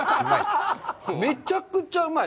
めちゃくちゃうまい！